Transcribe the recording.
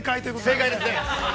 ◆正解ですね。